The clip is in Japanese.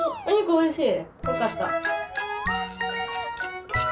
おいしい。